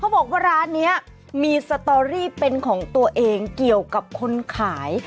บอกว่าร้านนี้มีสตอรี่เป็นของตัวเองเกี่ยวกับคนขาย